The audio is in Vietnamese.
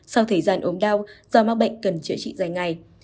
sau thời gian ốm đau do mắc bệnh cần chữa trị dài ngày